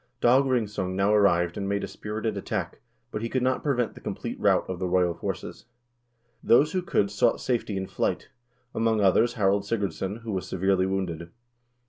1 Dag RingBBOn now arrived and made a spirited attack, buthe could not prevent the complete rout of the royal forces. Those who con Id sought safety in flight ; among others Harald Sigurdsson, who was severely wounded.